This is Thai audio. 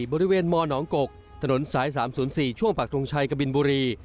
มหนองกกถนนสาย๓๐๔ช่วงปากทงชัยกบินบุรี